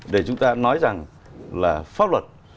để chúng ta nói rằng là pháp luật